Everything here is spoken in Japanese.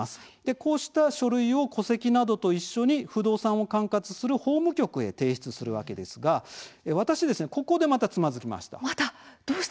こうした書類を戸籍などと一緒に不動産を管轄する法務局へ提出するわけですが私ここでまた、つまずきました。